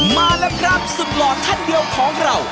มาแล้วครับสุดหล่อท่านเดียวของเรา